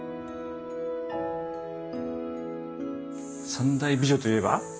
三大美女といえば？